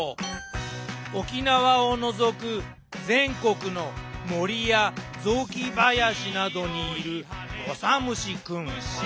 沖縄を除く全国の森や雑木林などにいるオサムシくん。